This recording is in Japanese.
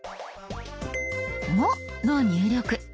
「も」の入力。